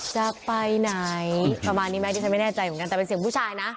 จะไปไหนประมาณนี้ไหมที่ฉันไม่แน่ใจเหมือนกันแต่เป็นเสียงผู้ชายนะ